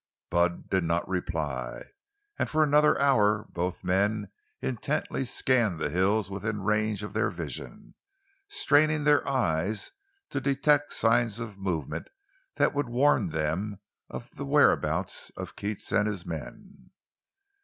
Bud did not reply; and for another hour both men intently scanned the hills within range of their vision, straining their eyes to detect signs of movement that would warn them of the whereabouts of Keats and his men.